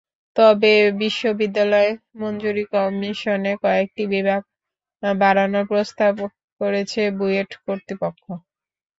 তবে বিশ্ববিদ্যালয় মঞ্জুরি কমিশনে কয়েকটি বিভাগ বাড়ানোর প্রস্তাব করেছে কুয়েট কর্তৃপক্ষ।